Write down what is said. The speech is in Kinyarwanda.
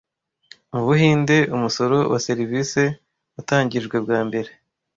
Mu Buhinde, umusoro wa serivisi watangijwe bwa mbere